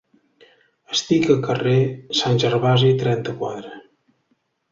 Estic a Carrer Sant Gervasi trenta-quatre.